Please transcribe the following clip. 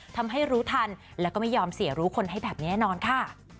ทำให้รู้ทันแล้วก็ไม่ยอมเสียรู้คนให้แบบแน่นอนค่ะ